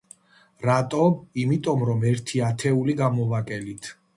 რატომ? იმიტომ რომ ერთი ათეული გამოვაკელით.